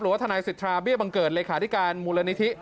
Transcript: ทนายสิทธาเบี้ยบังเกิดเลขาธิการมูลนิธิ